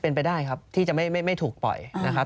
เป็นไปได้ครับที่จะไม่ถูกปล่อยนะครับ